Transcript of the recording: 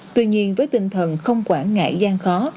tuy nhiên với tinh thần không quản ngại gian khó